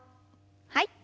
はい。